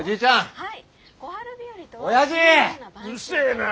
はい！